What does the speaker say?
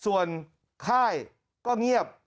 ส่วนค่ายก็เงียบ